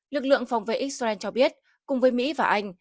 lực lượng phòng vệ israel cho biết cùng với mỹ và anh